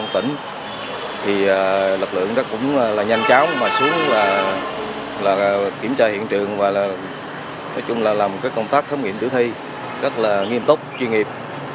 thì lực lượng đó cũng là nhanh cháo mà xuống là kiểm tra hiện trường và là nói chung là làm các công tác khám nghiệm tử thi rất là nghiêm tốc chuyên nghiệp